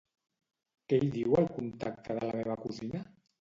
Què hi diu al contacte de la meva cosina?